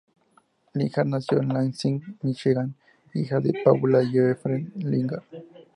Lillard nació en Lansing, Míchigan, hijo de Paula y Jeffrey Lillard.